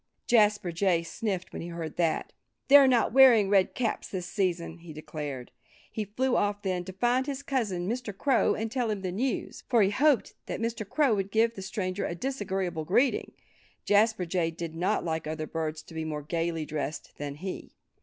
Jasper Jay sniffed when he heard that. "They're not wearing red caps this season," he declared. He flew off then, to find his cousin Mr. Crow and tell him the news. For he hoped that Mr. Crow would give the stranger a disagreeable greeting. Jasper Jay did not like other birds to be more gayly dressed than he.